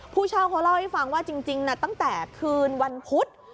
ผู้เช่าเขาเล่าให้ฟังว่าจริงตั้งแต่คืนวันพุธ